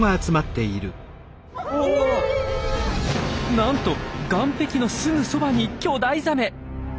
なんと岸壁のすぐそばに巨大ザメ！